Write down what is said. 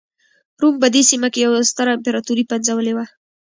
روم په دې سیمه کې یوه ستره امپراتوري پنځولې وه.